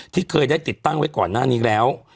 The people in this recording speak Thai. ที่เคยได้ติดตั้งไว้ก่อนหน้านี้แล้ว